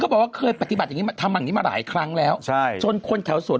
เขาบอกว่าเคยปฏิบัติทำอันนี้มาหลายครั้งแล้วจนคนแถวสวน